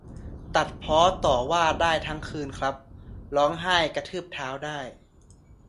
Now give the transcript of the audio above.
ตัดพ้อต่อว่าได้ทั้งคืนครับ ร้องไห้กระทืบเท้าได้